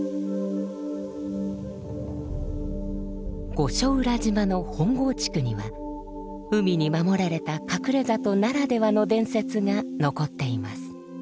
御所浦島の本郷地区には海に守られた隠れ里ならではの伝説が残っています。